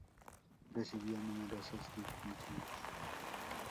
Recibió numerosas distinciones.